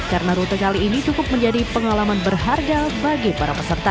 karena rute kali ini cukup menjadi pengalaman berharga bagi para peserta